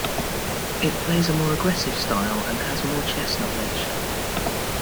It plays a more aggressive style and has more chess knowledge.